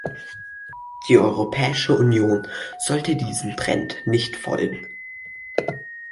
Die Europäische Union sollte diesem Trend nicht folgen.